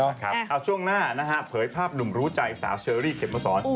เอาช่วงหน้านะฮะเผยภาพหนุ่มรู้ใจสาวเชอรี่เข็มมาสอน